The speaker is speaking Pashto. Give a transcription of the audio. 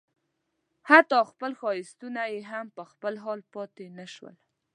حتی خپل ښایستونه یې هم په خپل حال پاتې نه شول.